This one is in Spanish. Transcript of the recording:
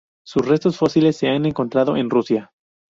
Sus restos fósiles se han encontrado en Rusia.